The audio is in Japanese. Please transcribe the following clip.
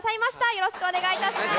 よろしくお願いします。